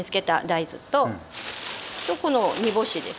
とこの煮干しです。